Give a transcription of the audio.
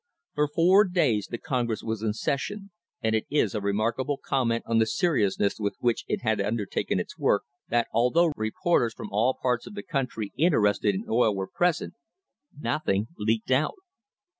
For four days the Congress was in session, and it is a remarkable comment on the seriousness with which it had undertaken its work that, although reporters from all parts of the country interested in oil were present, nothing leaked out.